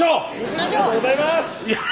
ありがとうございます！